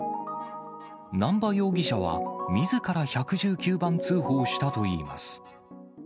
南波容疑者はみずから１１９番通報したといいます。